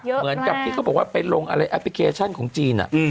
เยอะมากนะเหมือนกับที่เขาบอกว่าเป็นลงอะไรแอปพลิเคชันของจีน